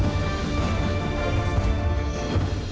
โปรดติดตามตอนต่อไป